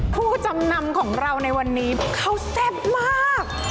ผู้ดำนำของเราในวันนี้เค้าเศษมาก